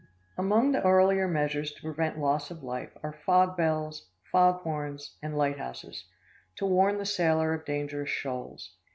] Among the earlier measures to prevent loss of life are fog bells, fog horns, and lighthouses, to warn the sailor of dangerous shoals.